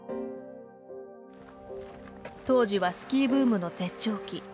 当時はスキーブームの絶頂期。